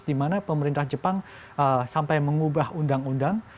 dimana pemerintah jepang sampai mengubah undang undang